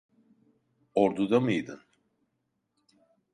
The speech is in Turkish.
Orduda mıydın?